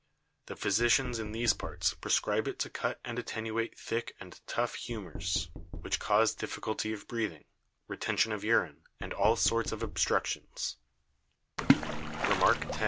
The Physicians in these Parts prescribe it to cut and attenuate thick and tough Humours, which cause difficulty of Breathing, Retension of Urine, and all sorts of Obstructions. REMARK X.